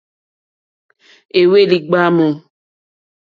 Éhwélì ɡbǎmù.